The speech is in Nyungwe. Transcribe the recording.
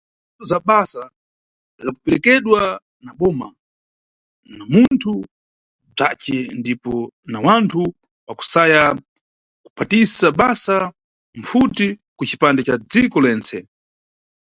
Mbuto za basa la kuperekedwa na boma, na munthu bzace ndipo na wanthu wakusaya kuphatisa basa mpfuti kucipande ca dziko lentse.